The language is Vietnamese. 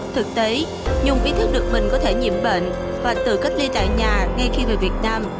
thực tế dung ý thức được mình có thể nhiễm bệnh và tự cách ly tại nhà ngay khi về việt nam